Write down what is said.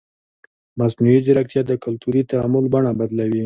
مصنوعي ځیرکتیا د کلتوري تعامل بڼه بدلوي.